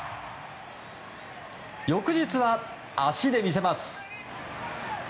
翌日は、足で魅せます。